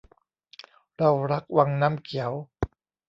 เรารักวังน้ำเขียว